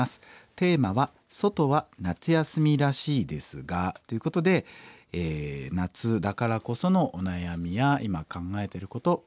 テーマは「ソトは夏休みらしいですが」ということで夏だからこそのお悩みや今考えてること教えて下さい。